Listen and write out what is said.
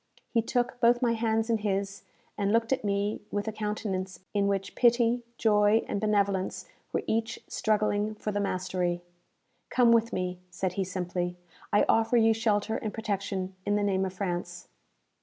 He took both my hands in his, and looked at me with a countenance in which pity, joy, and benevolence were each struggling for the mastery. "Come with me," said he simply. "I offer you shelter and protection in the name of France."